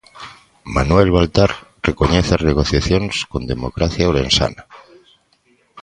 Manuel Baltar recoñece as negociacións con Democracia Ourensana.